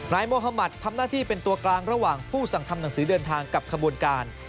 โมฮามัติทำหน้าที่เป็นตัวกลางระหว่างผู้สั่งทำหนังสือเดินทางกับขบวนการ